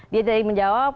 dia tadi menjawab